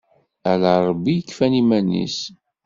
Ala Ṛebbi i yekfan iman-is.